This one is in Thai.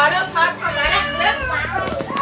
เด็กน่ะธรรมดาก